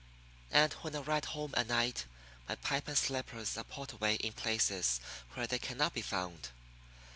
And when I ride home at night my pipe and slippers are put away in places where they cannot be found.